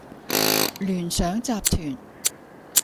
聯想集團